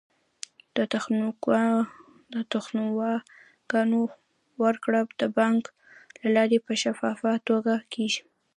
د تنخواګانو ورکړه د بانک له لارې په شفافه توګه کیږي.